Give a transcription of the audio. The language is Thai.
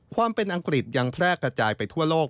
ความเป็นอังกฤษยังแพร่กระจายไปทั่วโลก